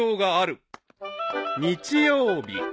［日曜日］